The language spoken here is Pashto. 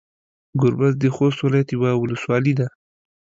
ګوربز د خوست ولايت يوه ولسوالي ده.